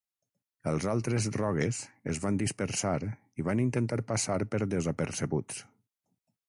Els altres Rogues es van dispersar i van intentar passar per desapercebuts.